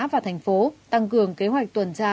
và thành phố tăng cường kế hoạch tuần tra